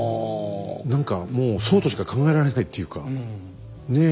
何かもうそうとしか考えられないっていうかねえ？